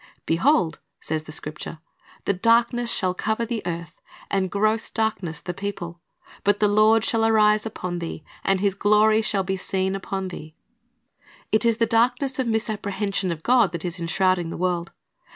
"* "Behold," says the Scripture, "the darkness shall cover the earth, and gross darkness the people; but the Lord shall arise upon thee, and His glory shall be seen upon thee."* It is the darkness of misapprehension of God that is enshrouding the world.